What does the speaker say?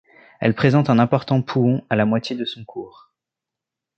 Elle présente un important pouhon à la moitié de son cours.